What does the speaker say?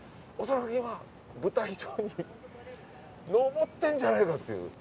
恐らく今、舞台上に上っているんじゃないかという。